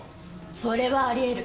それはあり得る。